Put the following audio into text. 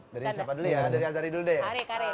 dari siapa dulu ya dari azari dulu deh